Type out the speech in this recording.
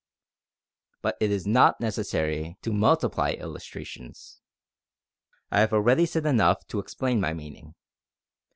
But it is not necessary to multiply illustrations. I have already said enough to explain my meaning.